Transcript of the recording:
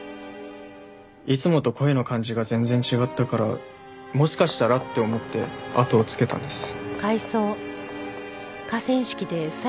いつもと声の感じが全然違ったからもしかしたらって思って後をつけたんです。